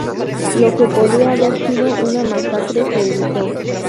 Lo que podía haber sido una masacre se evitó.